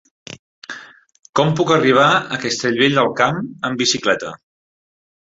Com puc arribar a Castellvell del Camp amb bicicleta?